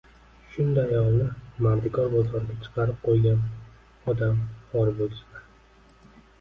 Shunday ayolni mardikor bozoriga chiqarib qo‘yg‘an odam xor bo‘lsin-a